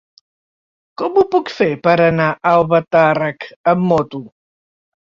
Com ho puc fer per anar a Albatàrrec amb moto?